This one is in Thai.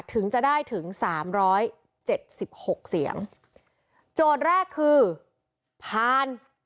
ถึงจะได้ถึงสามร้อยเจ็ดสิบหกเสียงโจทย์แรกคือผ่าน